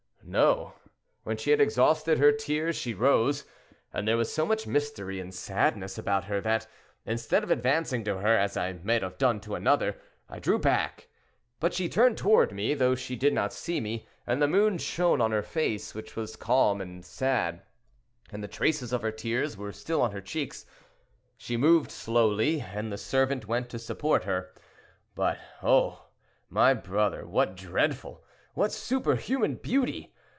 "No; when she had exhausted her tears she rose, and there was so much mystery and sadness about her that, instead of advancing to her as I might have done to another, I drew back; but she turned toward me, though she did not see me, and the moon shone on her face, which was calm and sad, and the traces of her tears were still on her cheeks; she moved slowly, and the servant went to support her. But, oh! my brother, what dreadful, what superhuman beauty.